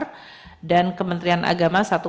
kemen kes rp tujuh tujuh triliun untuk program indonesia pintar